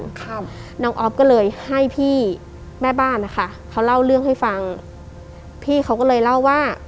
ครับน้องออฟก็เลยให้พี่แม่บ้านนะคะเขาเล่าเรื่องให้ฟังพี่เขาก็เลยเล่าว่า